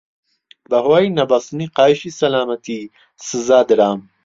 بەهۆی نەبەستنی قایشی سەلامەتی سزا درام.